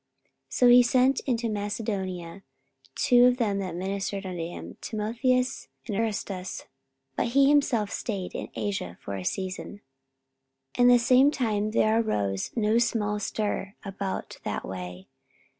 44:019:022 So he sent into Macedonia two of them that ministered unto him, Timotheus and Erastus; but he himself stayed in Asia for a season. 44:019:023 And the same time there arose no small stir about that way.